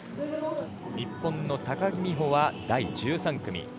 日本の高木美帆は第１３組。